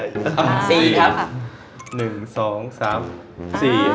ผมว่าผมมือสับแล้วกับพวกโรงอเจมส์อันนี้ยากกว่านะจริงชิ้นอย่างนี้